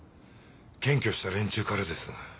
検挙した連中からです。